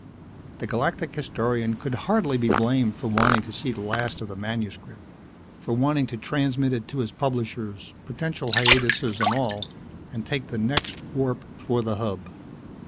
The Galactic Historian could hardly be blamed for wanting to see the last of the manuscript, for wanting to transmit it to his publishers, potential hiatuses and all, and take the next warp for the Hub.